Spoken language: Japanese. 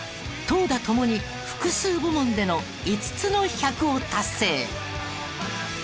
投打共に複数部門での５つの１００を達成！